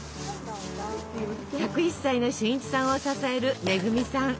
１０１歳の俊一さんを支える恵さん。